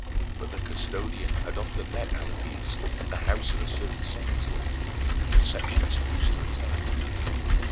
But the custodian had often met Alypius at the house of a certain senator, whose receptions he used to attend.